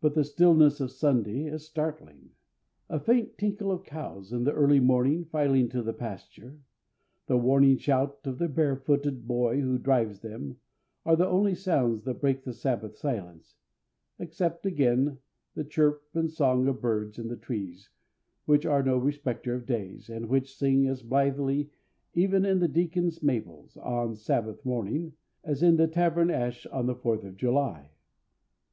But the stillness of Sunday is startling. A faint tinkle of cows in the early morning filing to the pasture, the warning shout of the barefooted boy who drives them, are the only sounds that break the Sabbath silence, except, again, the chirp and song of birds in the trees, which are no respecters of days, and which sing as blithely, even in the deacon's maples, on "Sabbath morning" as in the tavern ash on the Fourth of July.